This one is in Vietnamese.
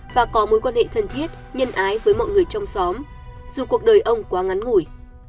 và có mối quan hệ thân thiết nhân ái với mọi người trong xóm dù cuộc đời ông quá ngắn ngủi